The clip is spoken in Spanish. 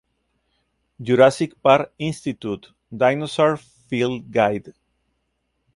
Jurassic Park Institute: Dinosaur Field Guide.